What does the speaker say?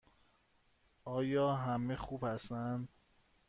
آیا همه خوب هستند؟